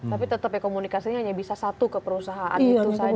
tapi tetap ya komunikasinya hanya bisa satu ke perusahaan itu saja